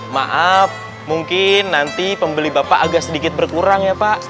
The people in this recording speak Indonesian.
maaf mungkin nanti pembeli bapak agak sedikit berkurang ya pak